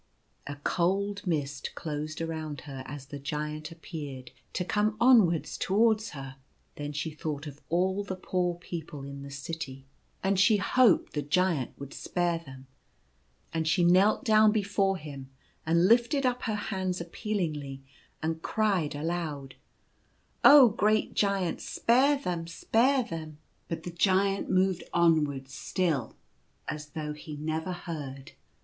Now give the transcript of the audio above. A cold mist closed around her as the Giant appeared to come onwards towards her. Then she thought of all the poor people in the city, and she hoped that the KnoaL 5 3 Giant would spare them, and she knelt down before him and lifted up her hands appealingly, and cried aloud :" Oh, great Giant ! spare them, spare them !" But the Giant moved onwards still as though he never heard.